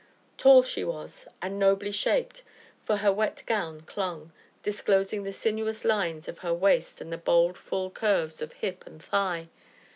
Tall she was, and nobly shaped, for her wet gown clung, disclosing the sinuous lines of her waist and the bold, full curves of hip and thigh.